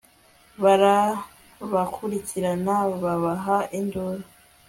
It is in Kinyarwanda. barabakurikirana, babaha induru